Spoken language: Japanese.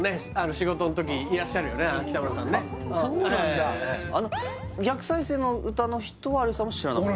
仕事ん時いらっしゃるよね北村さんねそうなんだあの逆再生の歌の人は有吉さんも知らなかった？